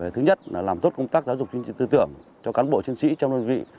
thứ nhất là làm tốt công tác giáo dục tư tưởng cho cán bộ chiến sĩ trong đơn vị